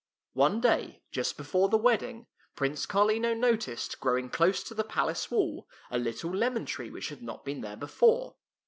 One day, just before the wedding. Prince Carlino noticed, growing close to the palace wall, a little lemon tree which had not been there before.